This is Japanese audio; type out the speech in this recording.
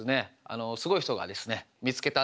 すごい人がですね見つけたんですけど。